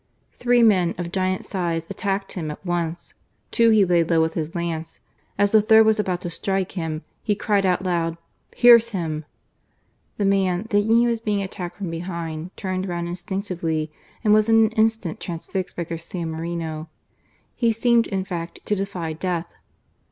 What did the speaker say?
Three men, of giant size, attacked him at once. Two he laid low with his lance; as the third was about to strike him he cried out loud, " Pierce him !" The man, thinking he was being attacked from behind, turned round instinctively and was in an instant transfixed by Garcia Moreno. He seemed, in fact, to defy death.